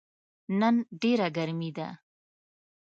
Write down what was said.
نن ډیره ګرمې ده